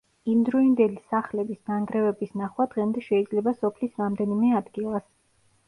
იმდროინდელი სახლების ნანგრევების ნახვა დღემდე შეიძლება სოფლის რამდენიმე ადგილას.